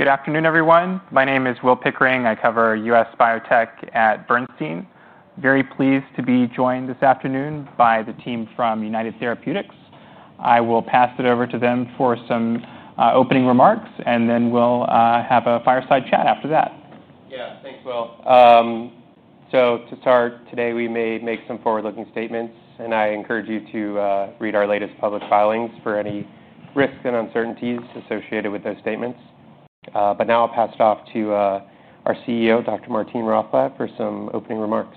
Good afternoon, everyone. My name is Will Pickering. I cover U.S. biotech at Bernstein. Very pleased to be joined this afternoon by the team from United Therapeutics. I will pass it over to them for some opening remarks, and then we'll have a fireside chat after that. Yeah, thanks, Will. Today we may make some forward-looking statements, and I encourage you to read our latest public filings for any risks and uncertainties associated with those statements. Now I'll pass it off to our CEO, Dr. Martine Rothblatt, for some opening remarks.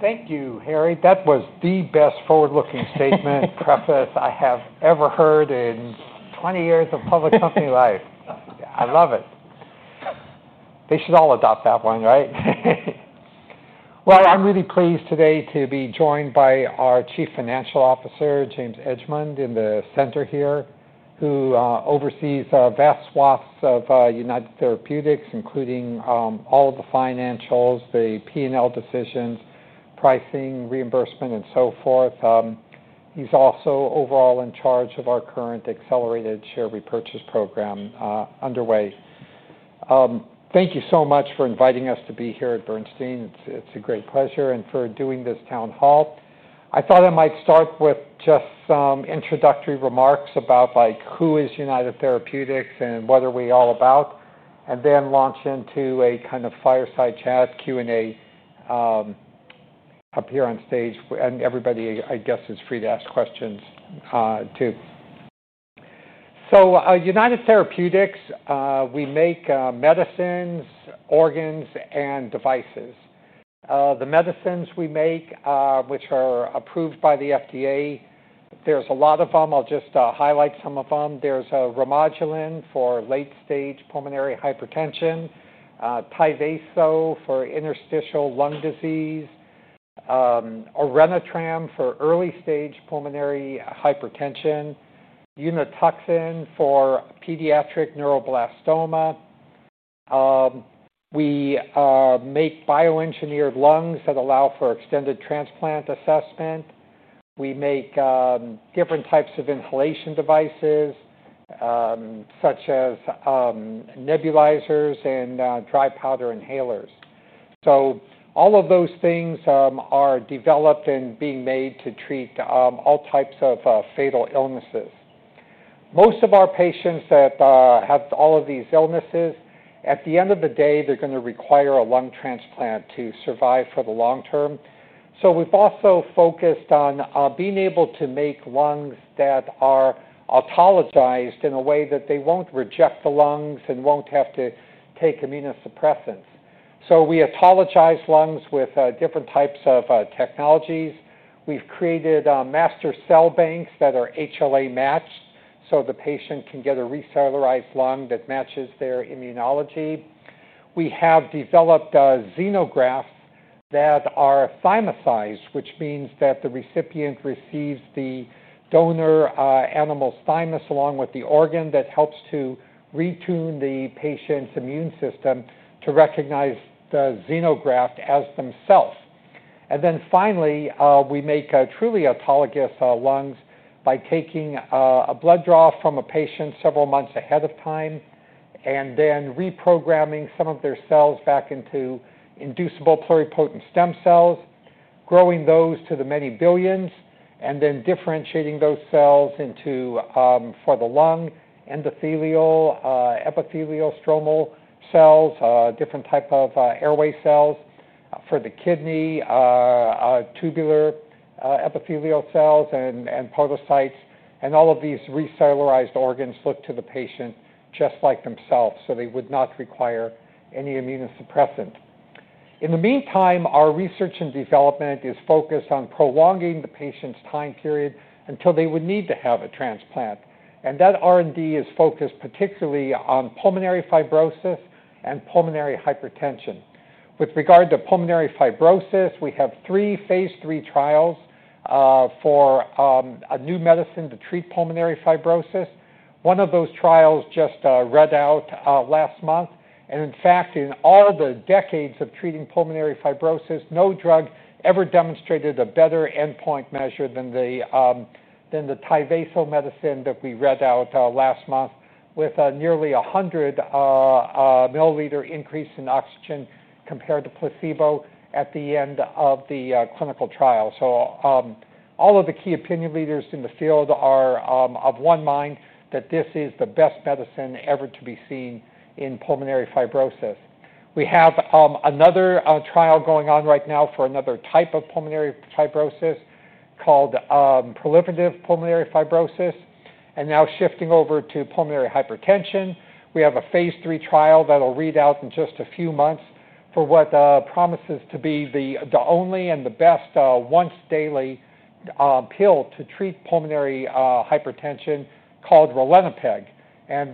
Thank you, Harry. That was the best forward-looking statement preface I have ever heard in 20 years of public company life. I love it. They should all adopt that one, right? I'm really pleased today to be joined by our Chief Financial Officer, James Edgemond, in the center here, who oversees a vast swath of United Therapeutics, including all of the financials, the P&L decisions, pricing, reimbursement, and so forth. He's also overall in charge of our current accelerated share repurchase program underway. Thank you so much for inviting us to be here at Bernstein. It's a great pleasure. For doing this town hall, I thought I might start with just some introductory remarks about, like, who is United Therapeutics and what are we all about, and then launch into a kind of fireside chat, Q&A, up here on stage. Everybody, I guess, is free to ask questions, too. United Therapeutics, we make medicines, organs, and devices. The medicines we make, which are approved by the FDA, there's a lot of them. I'll just highlight some of them. There's Remodulin for late-stage pulmonary hypertension, Tyvaso for interstitial lung disease, Orenitram for early-stage pulmonary hypertension, Unituxin for pediatric neuroblastoma. We make bioengineered lungs that allow for extended transplant assessment. We make different types of inhalation devices, such as nebulizers and dry powder inhalers. All of those things are developed and being made to treat all types of fatal illnesses. Most of our patients that have all of these illnesses, at the end of the day, they're going to require a lung transplant to survive for the long term. We've also focused on being able to make lungs that are autologized in a way that they won't reject the lungs and won't have to take immunosuppressants. We autologize lungs with different types of technologies. We've created master cell banks that are HLA matched, so the patient can get a recellularized lung that matches their immunology. We have developed xenografts that are thymokidney, which means that the recipient receives the donor animal's thymus along with the organ that helps to retune the patient's immune system to recognize the xenograft as themselves. Finally, we make truly autologous lungs by taking a blood draw from a patient several months ahead of time and then reprogramming some of their cells back into inducible pluripotent stem cells, growing those to the many billions, and then differentiating those cells into, for the lung, endothelial, epithelial, stromal cells, different types of airway cells, for the kidney, tubular epithelial cells, and podocytes. All of these recellularized organs look to the patient just like themselves, so they would not require any immunosuppressant. In the meantime, our research and development is focused on prolonging the patient's time period until they would need to have a transplant. That R&D is focused particularly on pulmonary fibrosis and pulmonary hypertension. With regard to pulmonary fibrosis, we have three phase III trials for a new medicine to treat pulmonary fibrosis. One of those trials just read out last month. In all the decades of treating pulmonary fibrosis, no drug ever demonstrated a better endpoint measure than the Tivicel medicine that we read out last month, with a nearly 100 ml increase in oxygen compared to placebo at the end of the clinical trial. All of the key opinion leaders in the field are of one mind that this is the best medicine ever to be seen in pulmonary fibrosis. We have another trial going on right now for another type of pulmonary fibrosis called proliferative pulmonary fibrosis. Now shifting over to pulmonary hypertension, we have a phase III trial that'll read out in just a few months for what promises to be the only and the best once-daily pill to treat pulmonary hypertension called Ralinepag.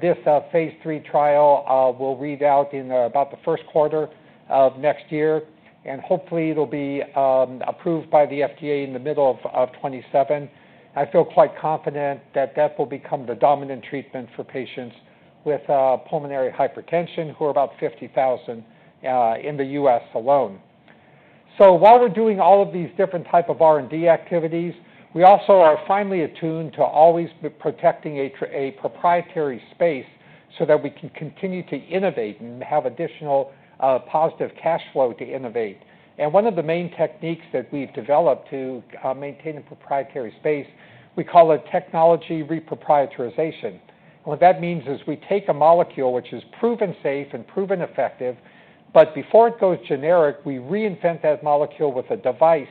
This phase III trial will read out in about the first quarter of next year. Hopefully, it'll be approved by the FDA in the middle of 2027. I feel quite confident that that will become the dominant treatment for patients with pulmonary hypertension, who are about 50,000 in the U.S. alone. While we're doing all of these different types of R&D activities, we also are finely attuned to always protecting a proprietary space so that we can continue to innovate and have additional positive cash flow to innovate. One of the main techniques that we've developed to maintain a proprietary space, we call it technology reproprietarization. What that means is we take a molecule which is proven safe and proven effective, but before it goes generic, we reinvent that molecule with a device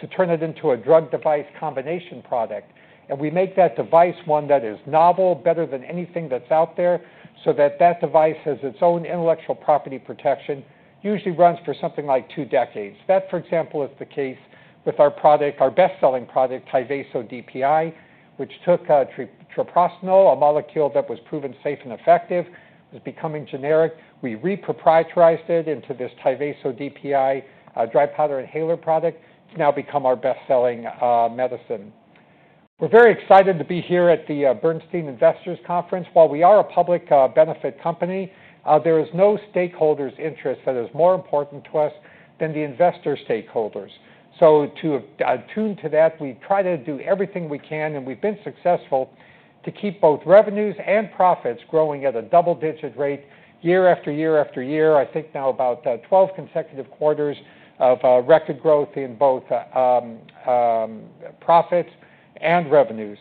to turn it into a drug-device combination product. We make that device one that is novel, better than anything that's out there, so that device has its own intellectual property protection, usually runs for something like two decades. That, for example, is the case with our product, our best-selling product, Tyvaso DPI, which took treprostinil, a molecule that was proven safe and effective, was becoming generic. We reproprietarized it into this Tyvaso DPI dry powder inhaler product to now become our best-selling medicine. We're very excited to be here at the Bernstein Investors Conference. While we are a public benefit company, there is no stakeholder's interest that is more important to us than the investor stakeholders. To attune to that, we try to do everything we can, and we've been successful to keep both revenues and profits growing at a double-digit rate year after year after year. I think now about 12 consecutive quarters of record growth in both profits and revenues.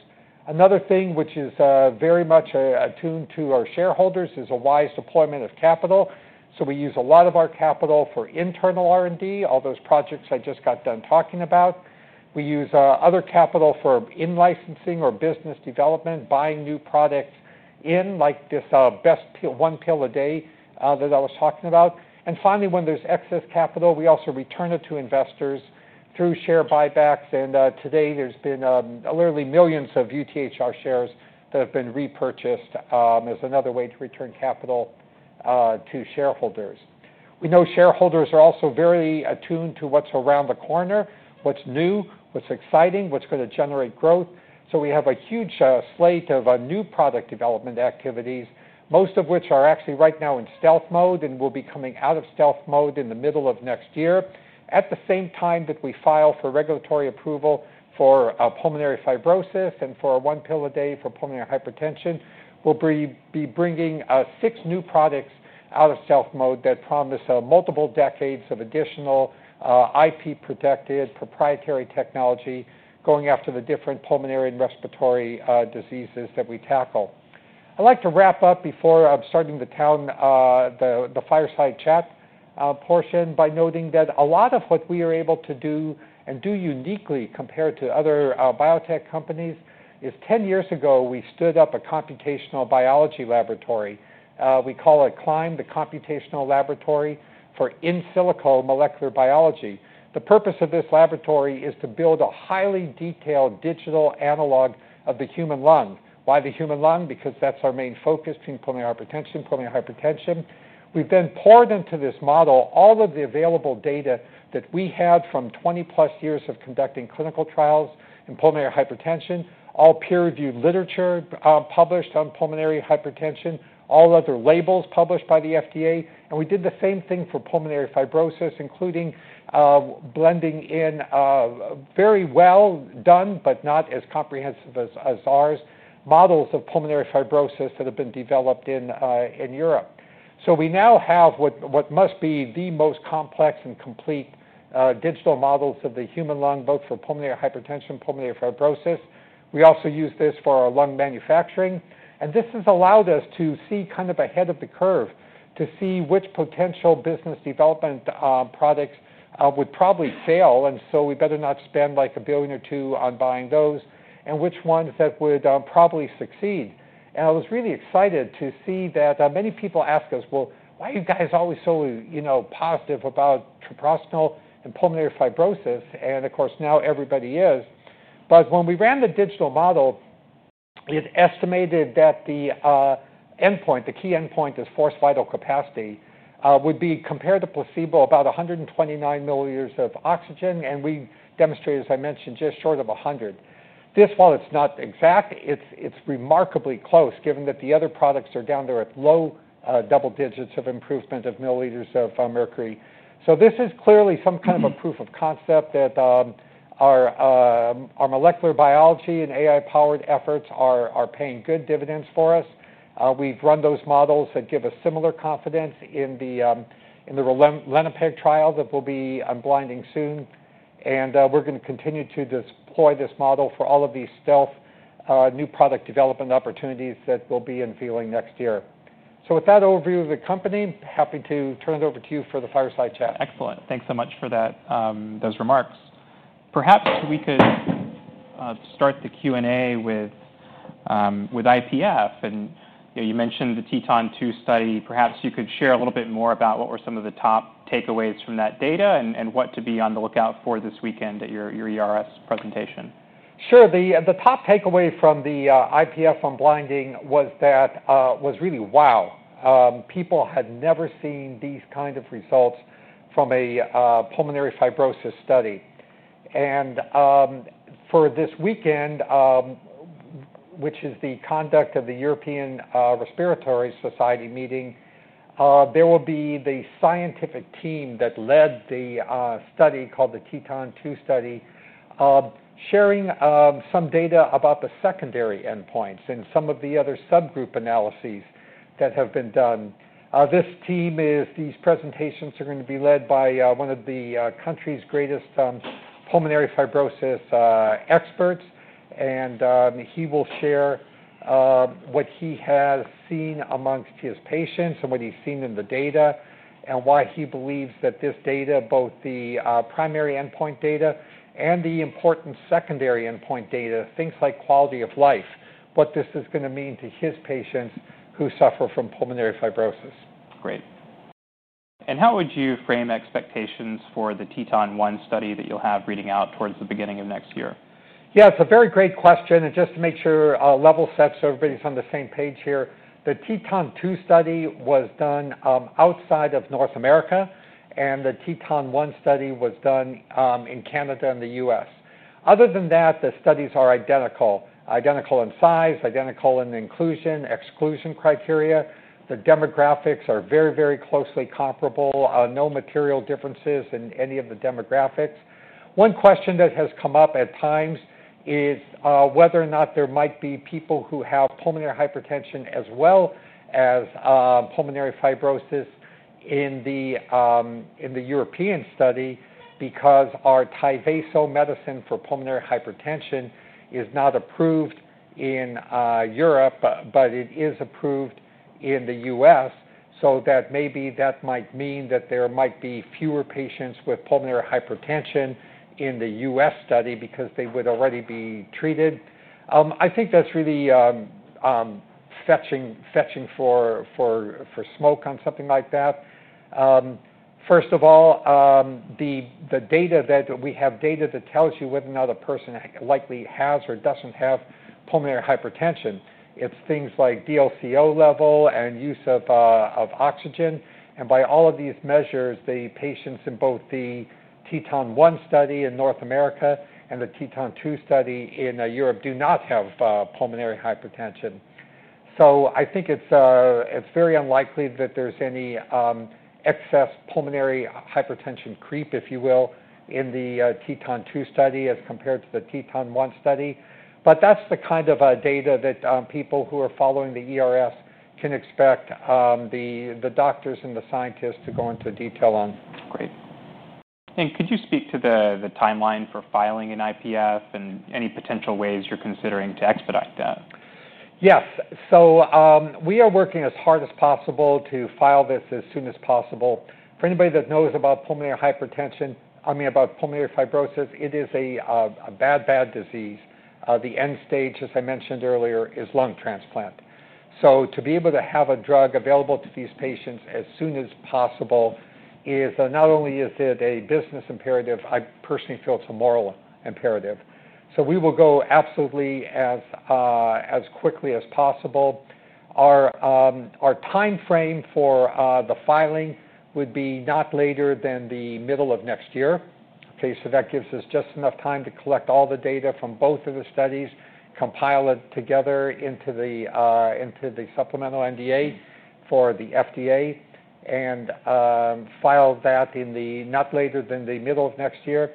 Another thing which is very much attuned to our shareholders is a wise deployment of capital. We use a lot of our capital for internal R&D, all those projects I just got done talking about. We use other capital for in-licensing or business development, buying new products in, like this best one pill a day that I was talking about. Finally, when there's excess capital, we also return it to investors through share buybacks. Today, there's been literally millions of UTHR shares that have been repurchased as another way to return capital to shareholders. We know shareholders are also very attuned to what's around the corner, what's new, what's exciting, what's going to generate growth. We have a huge slate of new product development activities, most of which are actually right now in stealth mode and will be coming out of stealth mode in the middle of next year. At the same time that we file for regulatory approval for idiopathic pulmonary fibrosis and for one pill a day for pulmonary hypertension, we'll be bringing six new products out of stealth mode that promise multiple decades of additional IP-protected proprietary technology going after the different pulmonary and respiratory diseases that we tackle. I'd like to wrap up before starting the fireside chat portion by noting that a lot of what we are able to do and do uniquely compared to other biotech companies is 10 years ago, we stood up a computational biology laboratory. We call it CLIMB, the Computational Laboratory for in-silico molecular biology. The purpose of this laboratory is to build a highly detailed digital analog of the human lung. Why the human lung? Because that's our main focus between pulmonary hypertension and pulmonary hypertension. We've then poured into this model all of the available data that we had from 20+ years of conducting clinical trials in pulmonary hypertension, all peer-reviewed literature published on pulmonary hypertension, all other labels published by the FDA. We did the same thing for pulmonary fibrosis, including blending in very well done, but not as comprehensive as ours, models of pulmonary fibrosis that have been developed in Europe. We now have what must be the most complex and complete digital models of the human lung, both for pulmonary hypertension and pulmonary fibrosis. We also use this for our lung manufacturing. This has allowed us to see kind of ahead of the curve, to see which potential business development products would probably fail. We better not spend like $1 billion or $2 billion on buying those and which ones that would probably succeed. I was really excited to see that many people ask us, why are you guys always so positive about tryproxenol and pulmonary fibrosis? Of course, now everybody is. When we ran the digital model, it estimated that the endpoint, the key endpoint, this forced vital capacity would be compared to placebo about 129 ml of oxygen. We demonstrated, as I mentioned, just short of 100. This, while it's not exact, is remarkably close, given that the other products are down there at low double digits of improvement of milliliters of mercury. This is clearly some kind of a proof of concept that our molecular biology and AI-powered efforts are paying good dividends for us. We've run those models that give us similar confidence in the Ralinepag trial that we'll be unblinding soon. We're going to continue to deploy this model for all of these stealth new product development opportunities that we'll be unveiling next year. With that overview of the company, I'm happy to turn it over to you for the fireside chat. Excellent. Thanks so much for those remarks. Perhaps we could start the Q&A with IPF. You mentioned the TETON 2 study. Perhaps you could share a little bit more about what were some of the top takeaways from that data and what to be on the lookout for this weekend at your ERS presentation. Sure. The top takeaway from the IPF unblinding was that was really, wow. People had never seen these kinds of results from a pulmonary fibrosis study. For this weekend, which is the conduct of the European Respiratory Society meeting, there will be the scientific team that led the study called the TETON 2 study sharing some data about the secondary endpoints and some of the other subgroup analyses that have been done. These presentations are going to be led by one of the country's greatest pulmonary fibrosis experts. He will share what he has seen amongst his patients and what he's seen in the data and why he believes that this data, both the primary endpoint data and the important secondary endpoint data, things like quality of life, what this is going to mean to his patients who suffer from pulmonary fibrosis. Great. How would you frame expectations for the TETON 1 study that you'll have reading out towards the beginning of next year? Yeah, it's a very great question. Just to make sure level sets so everybody's on the same page here, the TETON 2 study was done outside of North America, and the TETON 1 study was done in Canada and the U.S. Other than that, the studies are identical. Identical in size, identical in inclusion and exclusion criteria. The demographics are very, very closely comparable. No material differences in any of the demographics. One question that has come up at times is whether or not there might be people who have pulmonary hypertension as well as pulmonary fibrosis in the European study because our Tyvaso medicine for pulmonary hypertension is not approved in Europe, but it is approved in the U.S. That might mean that there might be fewer patients with pulmonary hypertension in the U.S. study because they would already be treated. I think that's really fetching for smoke on something like that. First of all, the data that we have tells you whether or not a person likely has or doesn't have pulmonary hypertension. It's things like DLCO level and use of oxygen. By all of these measures, the patients in both the TETON 1 study in North America and the TETON 2 study in Europe do not have pulmonary hypertension. I think it's very unlikely that there's any excess pulmonary hypertension creep, if you will, in the TETON 2 study as compared to the TETON 1 study. That's the kind of data that people who are following the ERS can expect the doctors and the scientists to go into detail on. Could you speak to the timeline for filing in IPF and any potential ways you're considering to expedite that? Yes. We are working as hard as possible to file this as soon as possible. For anybody that knows about pulmonary hypertension, I mean about pulmonary fibrosis, it is a bad, bad disease. The end stage, as I mentioned earlier, is lung transplant. To be able to have a drug available to these patients as soon as possible is not only a business imperative, I personally feel it's a moral imperative. We will go absolutely as quickly as possible. Our timeframe for the filing would be not later than the middle of next year. That gives us just enough time to collect all the data from both of the studies, compile it together into the supplemental NDA for the FDA, and file that not later than the middle of next year.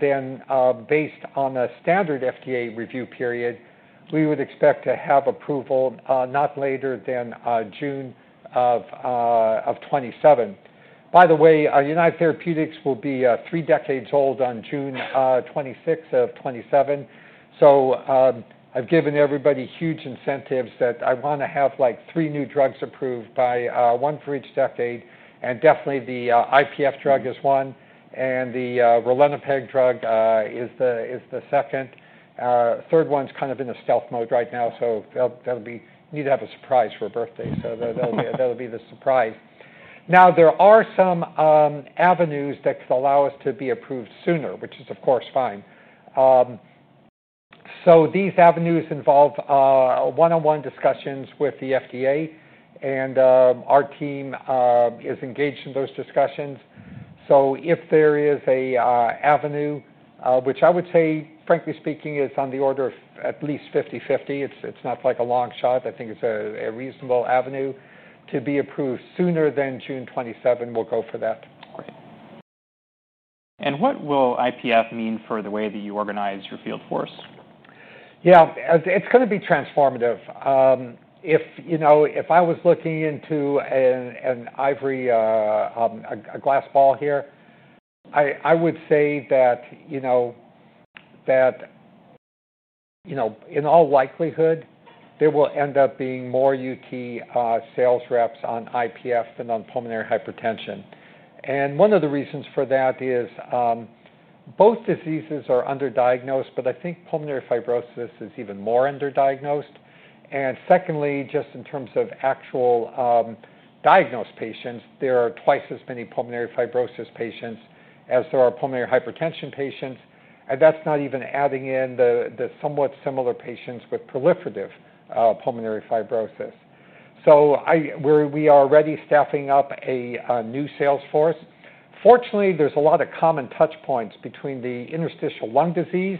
Based on a standard FDA review period, we would expect to have approval not later than June of 2027. By the way, United Therapeutics will be three decades old on June 26th of 2027. I've given everybody huge incentives that I want to have like three new drugs approved, one for each decade. Definitely, the IPF drug is one, and the Ralinepag drug is the second. Third one's kind of in a stealth mode right now, so they'll need to have a surprise for a birthday. That'll be the surprise. There are some avenues that could allow us to be approved sooner, which is, of course, fine. These avenues involve one-on-one discussions with the FDA, and our team is engaged in those discussions. If there is an avenue, which I would say, frankly speaking, is on the order of at least 50-50, it's not like a long shot. I think it's a reasonable avenue to be approved sooner than June 2027, we'll go for that. What will IPF mean for the way that you organize your field force? Yeah, it's going to be transformative. If I was looking into a glass ball here, I would say that, in all likelihood, there will end up being more United Therapeutics sales reps on idiopathic pulmonary fibrosis than on pulmonary hypertension. One of the reasons for that is both diseases are underdiagnosed, but I think pulmonary fibrosis is even more underdiagnosed. Secondly, just in terms of actual diagnosed patients, there are twice as many pulmonary fibrosis patients as there are pulmonary hypertension patients. That's not even adding in the somewhat similar patients with proliferative pulmonary fibrosis. We are already staffing up a new sales force. Fortunately, there's a lot of common touch points between the interstitial lung disease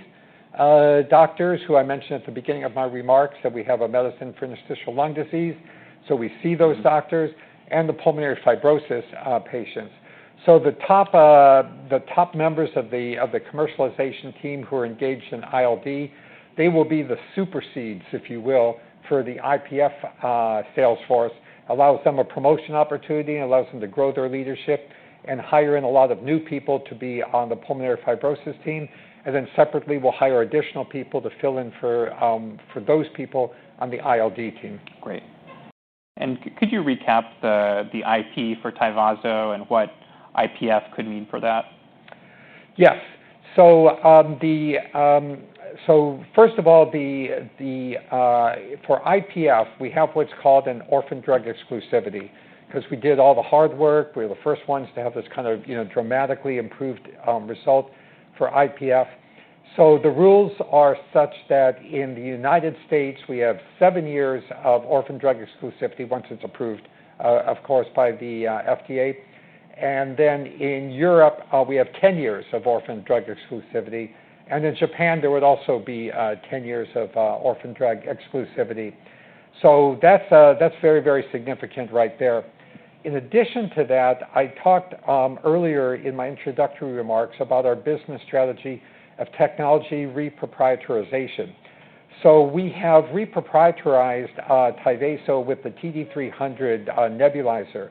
doctors, who I mentioned at the beginning of my remarks, that we have a medicine for interstitial lung disease. We see those doctors and the pulmonary fibrosis patients. The top members of the commercialization team who are engaged in interstitial lung disease will be the super seeds, if you will, for the idiopathic pulmonary fibrosis sales force. It allows them a promotion opportunity and allows them to grow their leadership and hire in a lot of new people to be on the pulmonary fibrosis team. Separately, we'll hire additional people to fill in for those people on the interstitial lung disease team. Great. Could you recap the IP for Tyvaso and what IPF could mean for that? Yes. First of all, for IPF, we have what's called an orphan drug exclusivity because we did all the hard work. We were the first ones to have this kind of dramatically improved result for IPF. The rules are such that in the U.S., we have seven years of orphan drug exclusivity once it's approved, of course, by the FDA. In Europe, we have 10 years of orphan drug exclusivity. In Japan, there would also be 10 years of orphan drug exclusivity. That's very, very significant right there. In addition to that, I talked earlier in my introductory remarks about our business strategy of technology reproprietarization. We have reproprietarized Tyvaso with the TD300 nebulizer,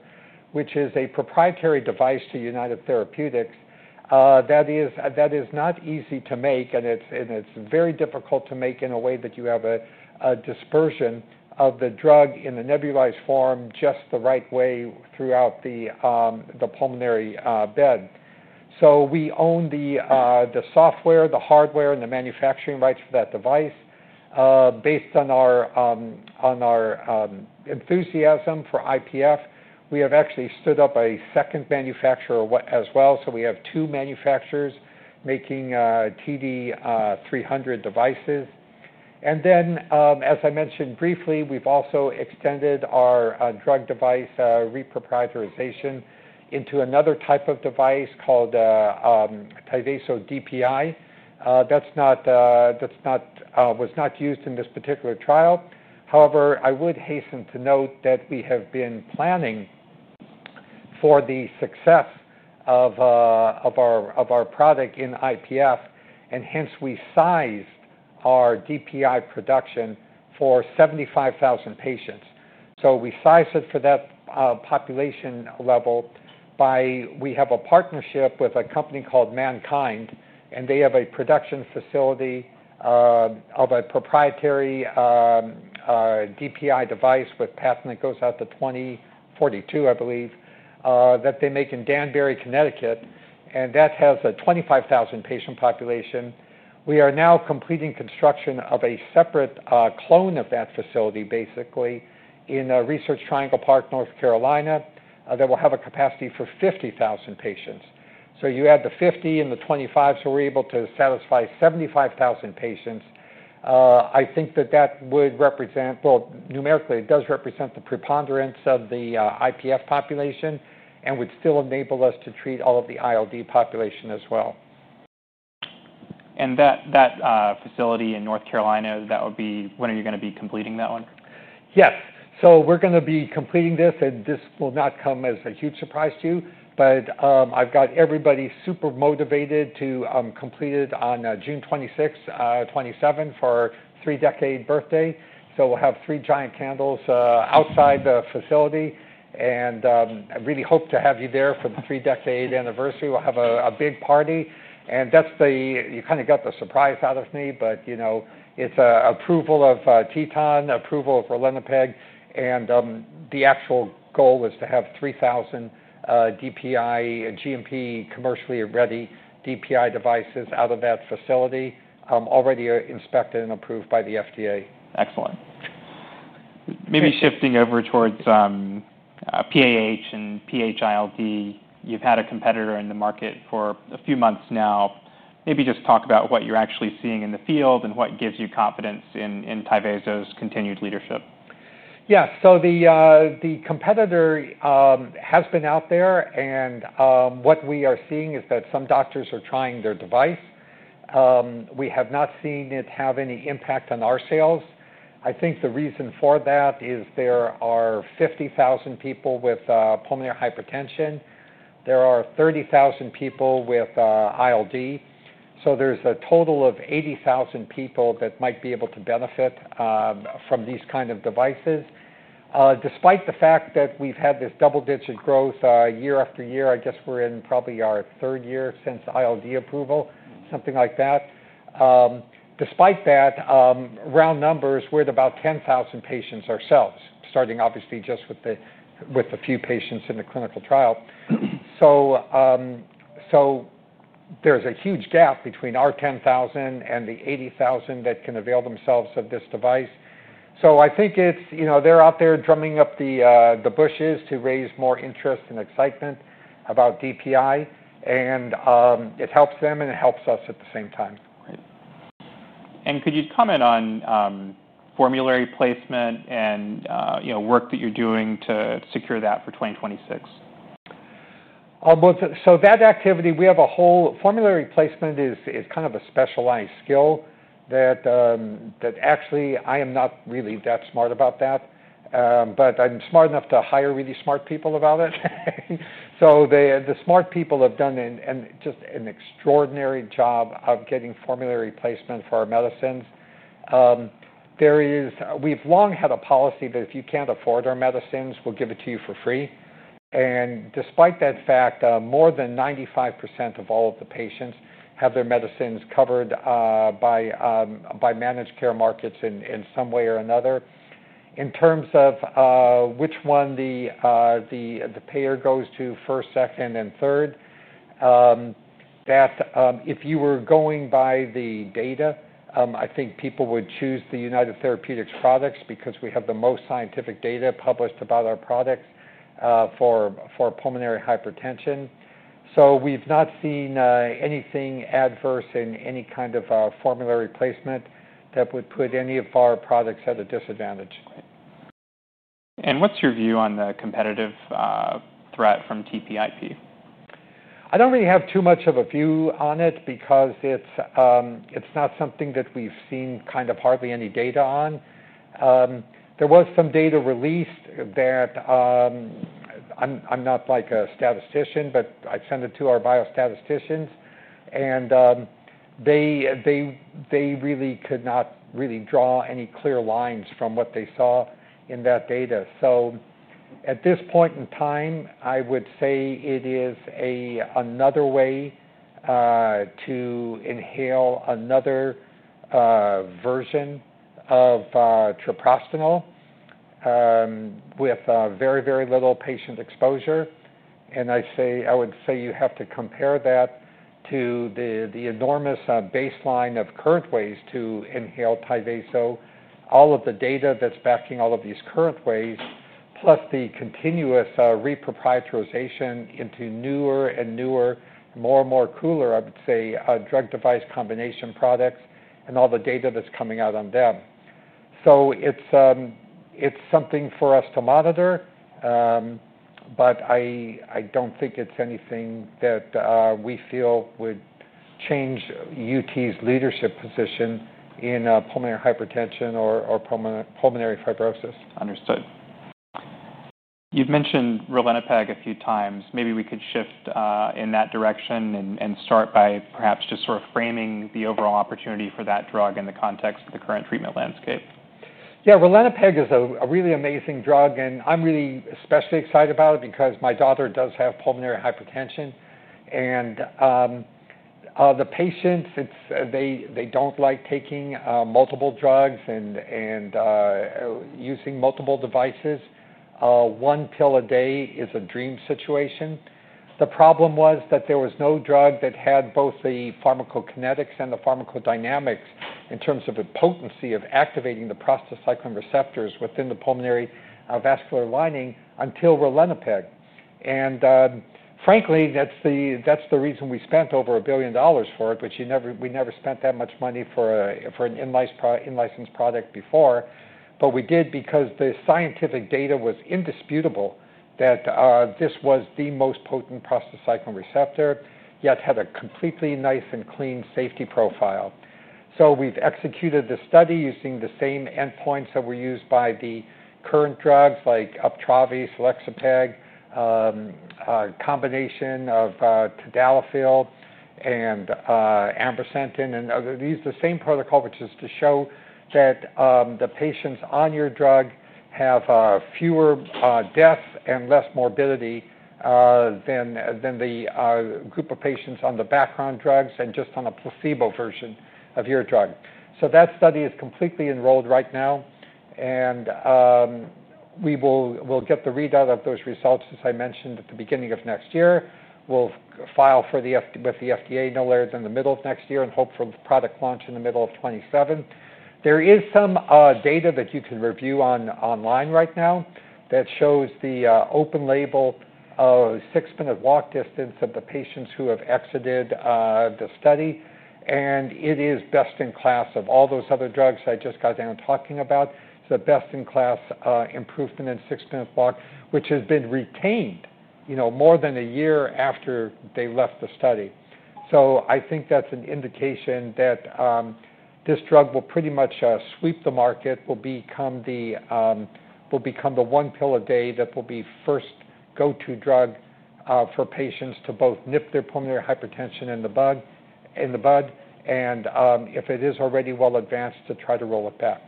which is a proprietary device to United Therapeutics that is not easy to make. It's very difficult to make in a way that you have a dispersion of the drug in the nebulized form just the right way throughout the pulmonary bed. We own the software, the hardware, and the manufacturing rights for that device. Based on our enthusiasm for IPF, we have actually stood up a second manufacturer as well. We have two manufacturers making TD300 devices. As I mentioned briefly, we've also extended our drug device reproprietarization into another type of device called Tyvaso DPI. That was not used in this particular trial. However, I would hasten to note that we have been planning for the success of our product in IPF. Hence, we sized our DPI production for 75,000 patients. We sized it for that population level by we have a partnership with a company called MannKind. They have a production facility of a proprietary DPI device with path that goes out to 2042, I believe, that they make in Danbury, Connecticut. That has a 25,000-patient population. We are now completing construction of a separate clone of that facility, basically, in Research Triangle Park, North Carolina, that will have a capacity for 50,000 patients. You add the 50 and the 25. We're able to satisfy 75,000 patients. I think that that would represent, numerically, it does represent the preponderance of the IPF population and would still enable us to treat all of the ILD population as well. That facility in North Carolina, that would be when are you going to be completing that one? Yes. We are going to be completing this. This will not come as a huge surprise to you. I've got everybody super motivated to complete it on June 26, 2027, for our three-decade birthday. We will have three giant candles outside the facility. I really hope to have you there for the three-decade anniversary. We will have a big party. That's it, you kind of got the surprise out of me. You know it's approval of TETON, approval of Ralinepag. The actual goal is to have 3,000 DPI and GMP commercially ready DPI devices out of that facility, already inspected and approved by the FDA. Excellent. Maybe shifting over towards PAH and PH-ILD, you've had a competitor in the market for a few months now. Maybe just talk about what you're actually seeing in the field and what gives you confidence in Tyvaso's continued leadership. Yeah. The competitor has been out there, and what we are seeing is that some doctors are trying their device. We have not seen it have any impact on our sales. I think the reason for that is there are 50,000 people with pulmonary hypertension. There are 30,000 people with ILD, so there's a total of 80,000 people that might be able to benefit from these kinds of devices. Despite the fact that we've had this double-digit growth year after year, I guess we're in probably our third year since ILD approval, something like that. Despite that, round numbers, we're at about 10,000 patients ourselves, starting obviously just with a few patients in the clinical trial. There is a huge gap between our 10,000 and the 80,000 that can avail themselves of this device. I think it's, you know, they're out there drumming up the bushes to raise more interest and excitement about DPI. It helps them, and it helps us at the same time. Great. Could you comment on formulary placement and work that you're doing to secure that for 2026? That activity, we have a whole formulary placement, is kind of a specialized skill that actually I am not really that smart about. I'm smart enough to hire really smart people about it. The smart people have done just an extraordinary job of getting formulary placement for our medicines. We've long had a policy that if you can't afford our medicines, we'll give it to you for free. Despite that fact, more than 95% of all of the patients have their medicines covered by managed care markets in some way or another. In terms of which one the payer goes to, first, second, and third, if you were going by the data, I think people would choose the United Therapeutics products because we have the most scientific data published about our products for pulmonary hypertension. We've not seen anything adverse in any kind of formulary placement that would put any of our products at a disadvantage. What is your view on the competitive threat from TPIP? I don't really have too much of a view on it because it's not something that we've seen hardly any data on. There was some data released that I'm not like a statistician, but I sent it to our biostatisticians, and they really could not really draw any clear lines from what they saw in that data. At this point in time, I would say it is another way to inhale another version of tryprostinil with very, very little patient exposure. You have to compare that to the enormous baseline of current ways to inhale Tyvaso, all of the data that's backing all of these current ways, plus the continuous technology reproprietarization into newer and newer, more and more cooler, I would say, drug-device combination products and all the data that's coming out on them. It's something for us to monitor. I don't think it's anything that we feel would change UT' leadership position in pulmonary hypertension or pulmonary fibrosis. Understood. You've mentioned Ralinepag a few times. Maybe we could shift in that direction and start by perhaps just sort of framing the overall opportunity for that drug in the context of the current treatment landscape. Yeah, Ralinepag is a really amazing drug. I'm really especially excited about it because my daughter does have pulmonary hypertension. The patients don't like taking multiple drugs and using multiple devices. One pill a day is a dream situation. The problem was that there was no drug that had both the pharmacokinetics and the pharmacodynamics in terms of the potency of activating the prostacyclin receptors within the pulmonary vascular lining until Ralinepag. Frankly, that's the reason we spent over $1 billion for it, which we never spent that much money for an in-licensed product before. We did because the scientific data was indisputable that this was the most potent prostacyclin receptor, yet had a completely nice and clean safety profile. We've executed the study using the same endpoints that were used by the current drugs like Uptravi, Laxopeg, a combination of tadalafil and ambrisentan. These are the same protocol, which is to show that the patients on your drug have fewer deaths and less morbidity than the group of patients on the background drugs and just on a placebo version of your drug. That study is completely enrolled right now. We'll get the readout of those results, as I mentioned, at the beginning of next year. We'll file with the FDA no later than the middle of next year and hope for the product launch in the middle of 2027. There is some data that you can review online right now that shows the open-label six-minute walk distance of the patients who have exited the study. It is best in class of all those other drugs I just got done talking about. It's a best-in-class improvement in six-minute walk, which has been retained more than a year after they left the study. I think that's an indication that this drug will pretty much sweep the market. It will become the one pill a day that will be the first go-to drug for patients to both nip their pulmonary hypertension in the bud. If it is already well advanced, to try to roll it back.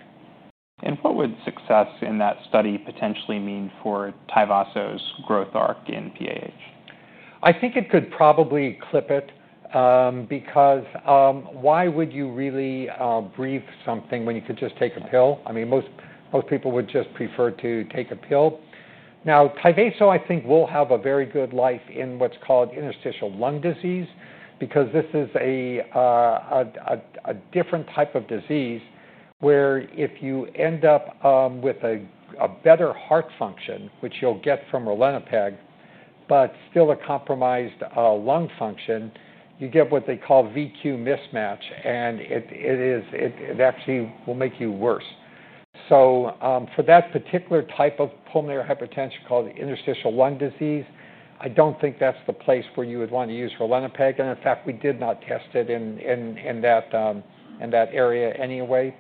What would success in that study potentially mean for Tyvaso's growth arc in PAH? I think it could probably clip it because why would you really brief something when you could just take a pill? I mean, most people would just prefer to take a pill. Now, Tyvaso, I think, will have a very good life in what's called interstitial lung disease because this is a different type of disease where if you end up with a better heart function, which you'll get from Ralinepag, but still a compromised lung function, you get what they call VQ mismatch. It actually will make you worse. For that particular type of pulmonary hypertension called interstitial lung disease, I don't think that's the place where you would want to use Ralinepag. In fact, we did not test it in that area anyway.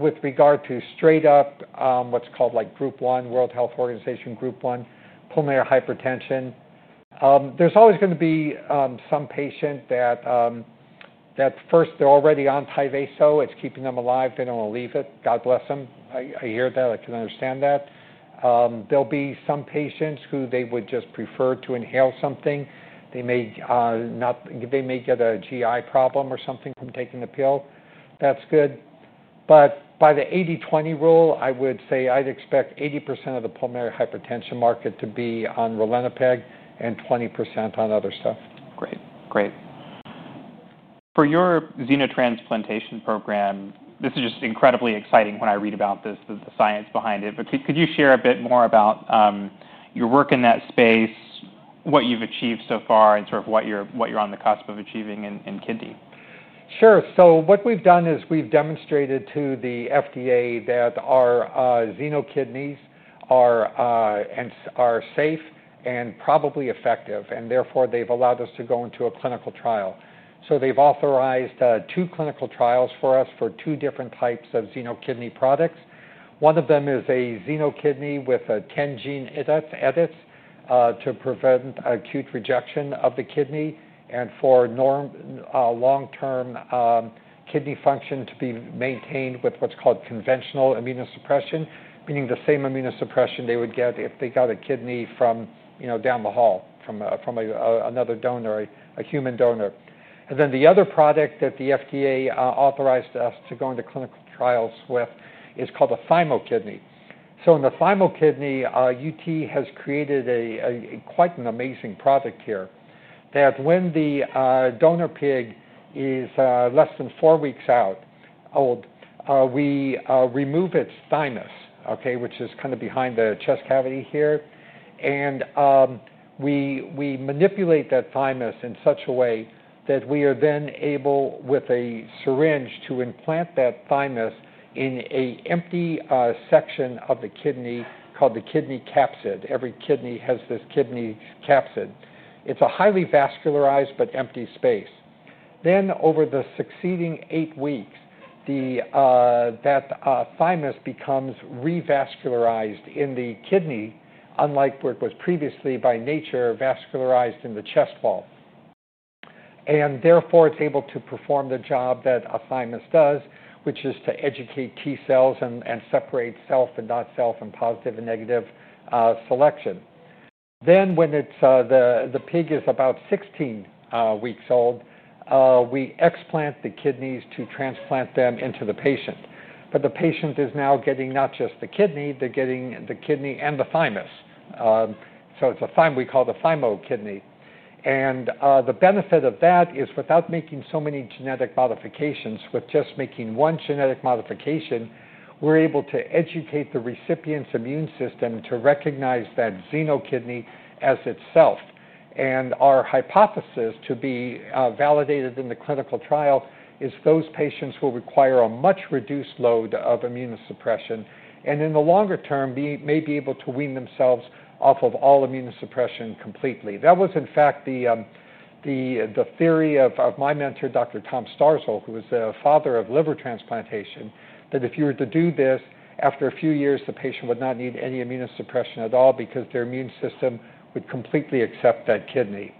With regard to straight-up what's called like Group 1, World Health Organization Group 1 pulmonary hypertension, there's always going to be some patient that first, they're already on Tyvaso. It's keeping them alive. They don't want to leave it. God bless them. I hear that. I can understand that. There'll be some patients who would just prefer to inhale something. They may get a GI problem or something from taking the pill. That's good. By the 80-20 rule, I would say I'd expect 80% of the pulmonary hypertension market to be on Ralinepag and 20% on other stuff. Great. For your xenotransplantation program, this is just incredibly exciting when I read about this, the science behind it. Could you share a bit more about your work in that space, what you've achieved so far, and sort of what you're on the cusp of achieving in kidney? Sure. What we've done is we've demonstrated to the FDA that our xenokidneys are safe and probably effective. Therefore, they've allowed us to go into a clinical trial. They've authorized two clinical trials for us for two different types of xenokidney products. One of them is a xenokidney with a 10-gene edit to prevent acute rejection of the kidney and for long-term kidney function to be maintained with what's called conventional immunosuppression, meaning the same immunosuppression they would get if they got a kidney from down the hall, from another donor, a human donor. The other product that the FDA authorized us to go into clinical trials with is called a thymokidney. In the thymokidney, UT has created quite an amazing product here that when the donor pig is less than four weeks old, we remove its thymus, which is kind of behind the chest cavity here. We manipulate that thymus in such a way that we are then able, with a syringe, to implant that thymus in an empty section of the kidney called the kidney capsid. Every kidney has this kidney capsid. It's a highly vascularized but empty space. Over the succeeding eight weeks, that thymus becomes revascularized in the kidney, unlike what it was previously by nature vascularized in the chest wall. Therefore, it's able to perform the job that a thymus does, which is to educate T cells and separate self and not self and positive and negative selection. When the pig is about 16 weeks old, we explant the kidneys to transplant them into the patient. The patient is now getting not just the kidney, they're getting the kidney and the thymus. It's a thymokidney. The benefit of that is without making so many genetic modifications, with just making one genetic modification, we're able to educate the recipient's immune system to recognize that xenokidney as itself. Our hypothesis, to be validated in the clinical trial, is those patients will require a much reduced load of immunosuppression. In the longer term, they may be able to wean themselves off of all immunosuppression completely. That was, in fact, the theory of my mentor, Dr. Tom Starzl, who was the father of liver transplantation, that if you were to do this, after a few years, the patient would not need any immunosuppression at all because their immune system would completely accept that kidney.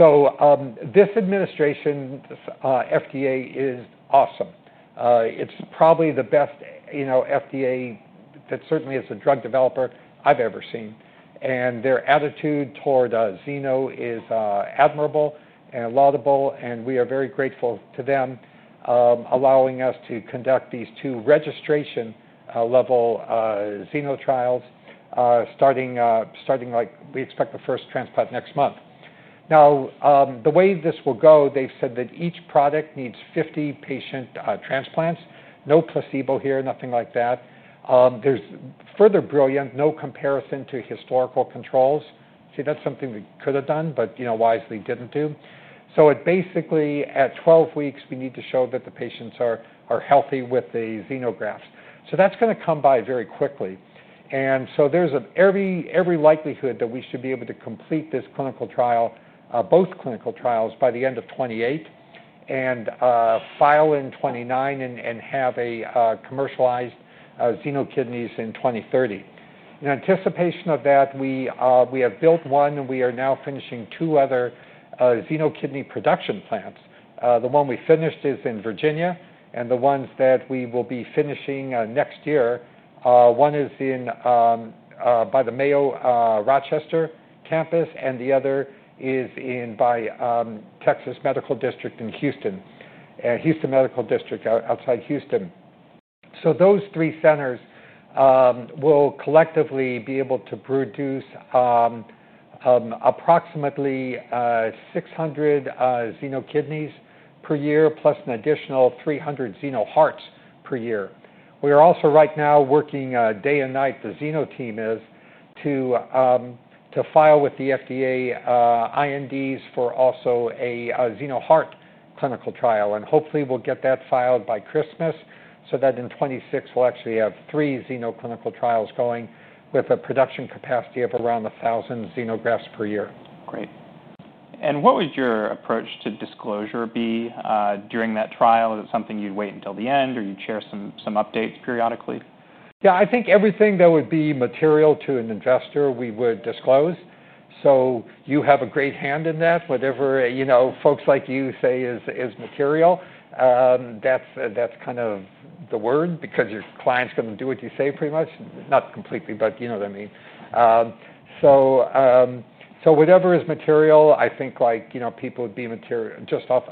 This administration, this FDA, is awesome. It's probably the best, you know, FDA that certainly as a drug developer I've ever seen. Their attitude toward xeno is admirable and laudable. We are very grateful to them allowing us to conduct these two registration-level xeno trials, starting like we expect the first transplant next month. The way this will go, they've said that each product needs 50 patient transplants. No placebo here, nothing like that. There's further brilliance, no comparison to historical controls. That's something we could have done, but you know wisely didn't do. It basically, at 12 weeks, we need to show that the patients are healthy with the xenografts. That's going to come by very quickly. There's every likelihood that we should be able to complete this clinical trial, both clinical trials, by the end of 2028 and file in 2029 and have commercialized xenokidneys in 2030. In anticipation of that, we have built one, and we are now finishing two other xenokidney production plants. The one we finished is in Virginia, and the ones that we will be finishing next year, one is by the Mayo Rochester campus, and the other is by Texas Medical District in Houston, Houston Medical District outside Houston. Those three centers will collectively be able to produce approximately 600 xenokidneys per year, plus an additional 300 xenoharts per year. We are also right now working day and night, the xeno team is, to file with the FDA INDs for also a xenohart clinical trial. Hopefully, we'll get that filed by Christmas so that in 2026, we'll actually have three xeno clinical trials going with a production capacity of around 1,000 xenografts per year. Great. What would your approach to disclosure be during that trial? Is it something you'd wait until the end, or you'd share some updates periodically? Yeah, I think everything that would be material to an investor, we would disclose. You have a great hand in that. Whatever, you know, folks like you say is material, that's kind of the word because your client's going to do what you say pretty much. Not completely, but you know what I mean. Whatever is material, I think like, you know, people would be material.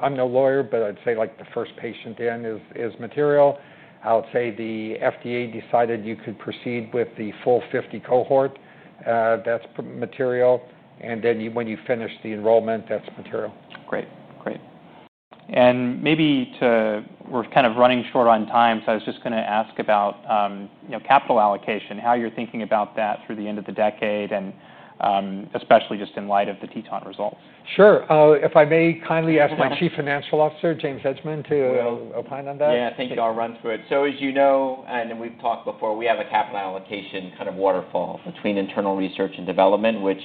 I'm no lawyer, but I'd say the first patient in is material. I'll say the FDA decided you could proceed with the full 50 cohort, that's material. When you finish the enrollment, that's material. Great. Maybe we're kind of running short on time. I was just going to ask about capital allocation, how you're thinking about that through the end of the decade, especially just in light of the TETON results. Sure. If I may kindly ask my Chief Financial Officer, James Edgemond, to opine on that. Yeah, I think I'll run through it. As you know, and we've talked before, we have a capital allocation kind of waterfall between internal research and development, which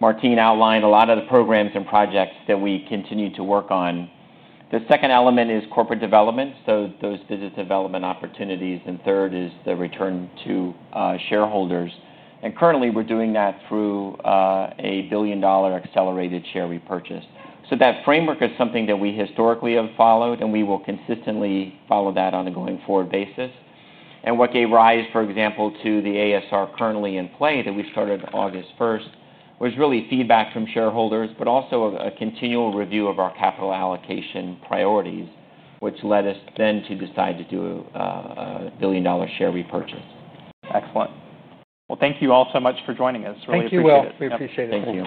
Martine outlined a lot of the programs and projects that we continue to work on. The second element is corporate development, so those business development opportunities. The third is the return to shareholders. Currently, we're doing that through a $1 billion accelerated share repurchase program. That framework is something that we historically have followed, and we will consistently follow that on a going forward basis. What gave rise, for example, to the ASR currently in play that we've started August 1st was really feedback from shareholders, but also a continual review of our capital allocation priorities, which led us then to decide to do a $1 billion share repurchase. Excellent. Thank you all so much for joining us. Really appreciate it. Thank you, Will. We appreciate it.